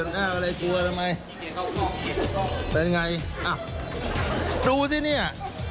กลัวทำไมแต่ยังไงอ่ะดูซิเนี่ย